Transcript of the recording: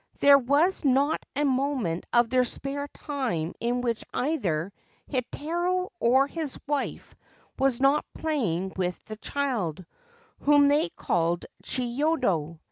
There was not a moment of their spare time in which either Heitaro or his wife was not playing with the child, whom they called Chiyodo.